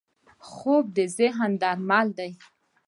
خوب د ذهن درمل دی